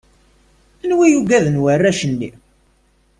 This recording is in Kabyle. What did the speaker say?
Anwa i ugaden warrac-nni?